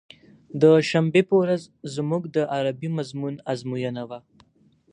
د شنبې په ورځ زموږ د عربي مضمون ازموينه وه.